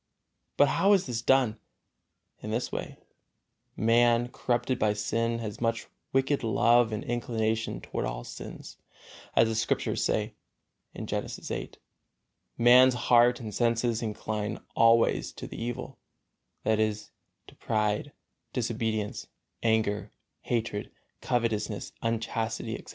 But how is this done? In this way: Man, corrupted by sin, has much wicked love and inclination toward all sins, as the Scriptures say, Genesis viii, "Man's heart and senses incline always to the evil," that is, to pride, disobedience, anger, hatred, covetousness, unchastity, etc.